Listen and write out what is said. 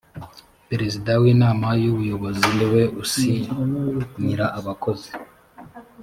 perezida w inama y’ ubuyobozi ni we usinyira abakozi .